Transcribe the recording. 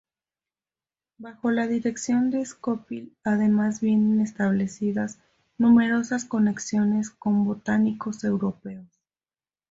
Bajo la dirección de Scopoli además vienen establecidas numerosas conexiones con botánicos europeos.